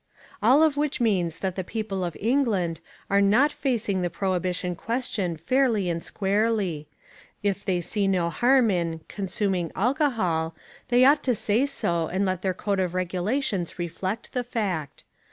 All of which means that the people of England are not facing the prohibition question fairly and squarely. If they see no harm in "consuming alcohol" they ought to say so and let their code of regulations reflect the fact.